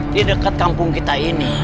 di dekat kampung kita ini